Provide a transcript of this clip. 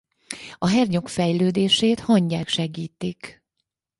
A hernyók fejlődését hangyák segítik.